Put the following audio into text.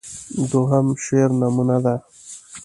دوهم شعر نمونه ده.